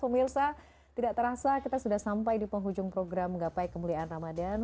pemirsa tidak terasa kita sudah sampai di penghujung program gapai kemuliaan ramadhan